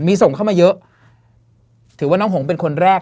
มีส่งเข้ามาเยอะถือว่าน้องหงเป็นคนแรก